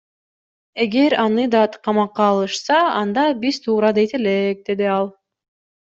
Эгер аны да камакка алышса анда биз туура дейт элек, — деди ал.